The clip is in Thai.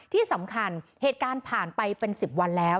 ที่สำคัญเหตุการณ์ผ่านไปเป็น๑๐วันแล้ว